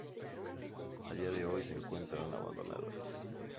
A día de hoy se encuentran abandonadas.